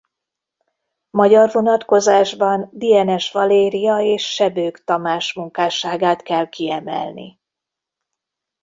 Magyar vonatkozásban Dienes Valéria és Sebők Tamás munkásságát kell kiemelni.